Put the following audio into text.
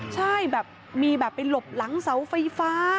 ใช่มีพี่หลบหลังเสาไฟฟ้า